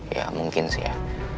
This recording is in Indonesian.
ya mungkin sih ya